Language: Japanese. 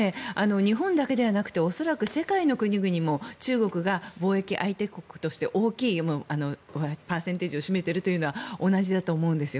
日本だけではなくて恐らく世界の国々も中国が貿易相手国として大きいパーセンテージを占めてるというのは同じだと思うんです。